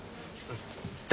誰？